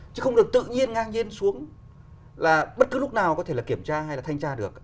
chứ không được tự nhiên ngang nhiên xuống là bất cứ lúc nào có thể là kiểm tra hay là thanh tra được